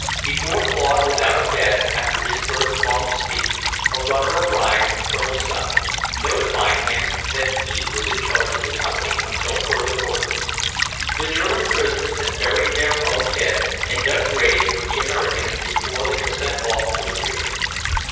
Before Claude was out of bed after his first long sleep, a runner arrived from Colonel Scott, notifying him that he was in charge of the Company until further orders. The German prisoners had buried their own dead and dug graves for the Americans before they were sent off to the rear.